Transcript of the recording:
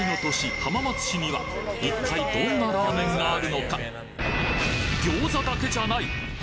浜松市には一体どんなラーメンがあるのか？